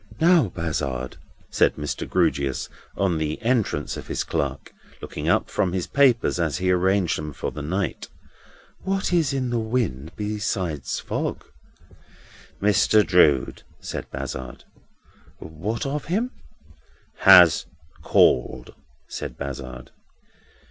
"Now, Bazzard," said Mr. Grewgious, on the entrance of his clerk: looking up from his papers as he arranged them for the night: "what is in the wind besides fog?" "Mr. Drood," said Bazzard. "What of him?" "Has called," said Bazzard.